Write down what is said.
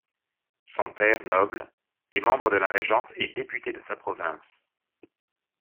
Son père, noble, est membre de la régence et député de sa province.